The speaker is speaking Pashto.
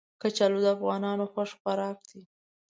کچالو د افغانانو خوښ خوراک دی